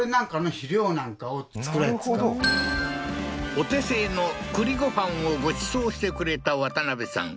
お手製の栗ご飯をごちそうしてくれた渡辺さん